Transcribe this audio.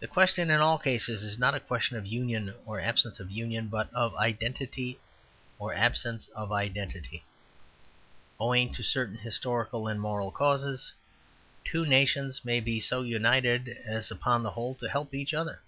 The question in all cases is not a question of union or absence of union, but of identity or absence of identity. Owing to certain historical and moral causes, two nations may be so united as upon the whole to help each other.